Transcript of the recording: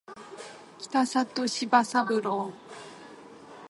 北里柴三郎